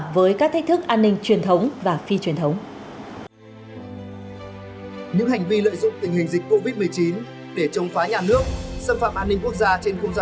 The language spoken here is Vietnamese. với các hình thức tấn công có chủ đích hacker sẽ không phát trả án công việc rộng